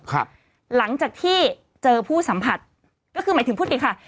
ค่ะหลังจากที่เจอผู้สัมผัสก็คือหมายถึงพูดดีค่ะ